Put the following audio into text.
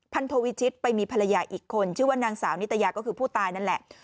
โทวิชิตไปมีภรรยาอีกคนชื่อว่านางสาวนิตยาก็คือผู้ตายนั่นแหละ